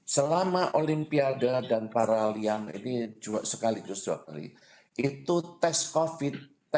selama olimpiada dan paralyang ini sekaligus dua kali itu tes covid sembilan belas